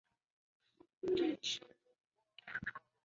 中方军队在进攻时伤亡较重。